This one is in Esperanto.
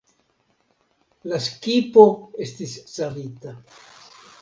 La skipo estis savita.